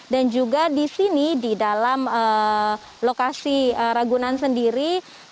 dan juga di sini di dalam lokasi ragunan sendiri